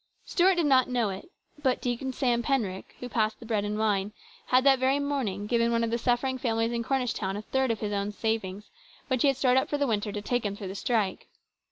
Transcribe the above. Stuart did not know it, but Deacon Sam Penryck, who passed the bread and wine, had that very morning given one of the suffering families in Cornish town a third of his own savings which he had stored up for the winter to take him through the strike.